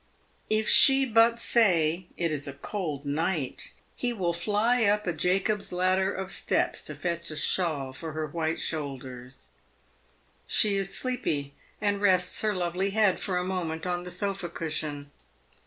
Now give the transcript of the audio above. If she but say, it is a cold night, he will fly up a Jacob's ladder of steps to fetch a shawl for her white 378 PAVED WITH GOLD. shoulders. She is sleepy, and rests her lovely head for a moment on the sofa cushion.